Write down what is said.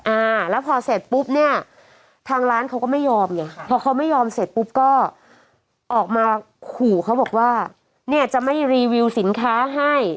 อ่าแล้วพอเสร็จปุ๊บเนี่ยทางร้านเขาก็ไม่ยอมไงค่ะพอเขาไม่ยอมเสร็จปุ๊บก็ออกมาขู่เขาบอกว่าเนี่ยจะไม่รีวิวสินค้าให้